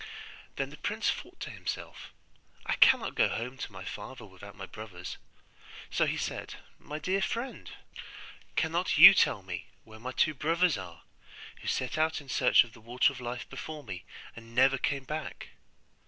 Then the prince thought to himself, 'I cannot go home to my father without my brothers'; so he said, 'My dear friend, cannot you tell me where my two brothers are, who set out in search of the Water of Life before me, and never came back?